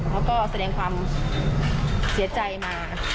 แล้วก็แสดงความเสียใจมา